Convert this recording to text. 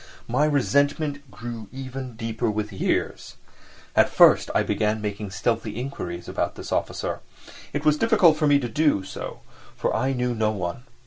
My resentment grew even deeper with years. At first I began making stealthy inquiries about this officer. It was difficult for me to do so, for I knew no one.